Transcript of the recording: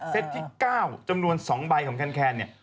ที่๙จำนวน๒ใบของแคนเนี่ย